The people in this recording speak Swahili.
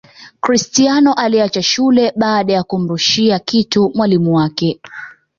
Cristiano aliacha shule baada ya kumrushia kitu mwalimu wake